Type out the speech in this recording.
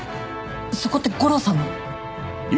そこって悟郎さんの。